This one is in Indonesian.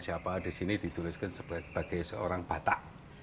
siapa disini dituliskan sebagai seorang batak